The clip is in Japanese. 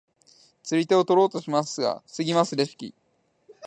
釣り手を取ろうとしますが防ぎますレシキ。